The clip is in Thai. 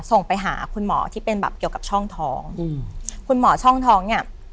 ส่งไปหาคุณหมอที่เป็นแบบเกี่ยวกับช่องท้องอืมคุณหมอช่องท้องเนี่ย